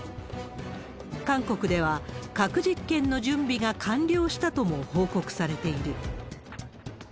韓国では、核実験の準備が完了したとも報告されている。